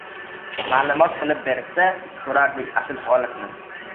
ma’lumot qilib berishsa ko‘rardik asl holatni!